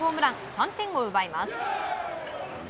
３点を奪います。